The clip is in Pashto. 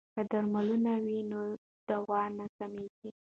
که درملتون وي نو دوا نه کمیږي.